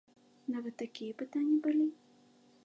Нават такія пытанні былі?